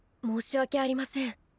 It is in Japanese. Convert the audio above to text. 申し訳ありません。